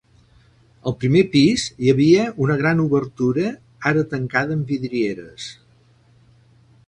Al primer pis hi havia una gran obertura ara tancada amb vidrieres.